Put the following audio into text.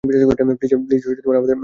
Please আমাদের নিয়ে যাও।